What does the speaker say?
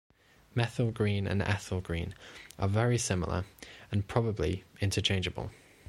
Methyl green and ethyl green are very similar and probably interchangeable.